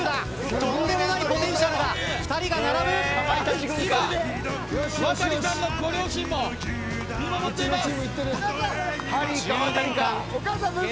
とんでもないポテンシャルだワタリさんのご両親も見守っています。